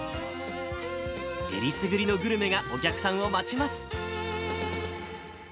えりすぐりのグルメがお客さんを待ちます。